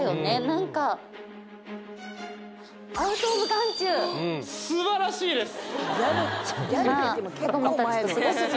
何かすばらしいです！